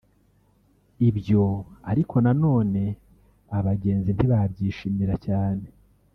Ibyo ariko nanone abagenzi ntibabyishimira cyane